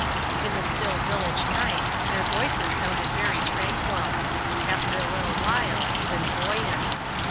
In the still village night their voices sounded very tranquil; after a little while, even buoyant.